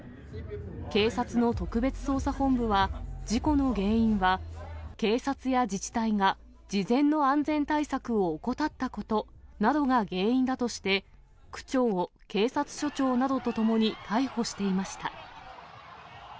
警察の特別捜査本部は、事故の原因は警察や自治体が、事前の安全対策を怠ったことなどが原因だとして、区長を警察署長などとともに逮捕していました。